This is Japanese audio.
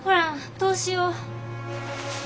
どうしよう。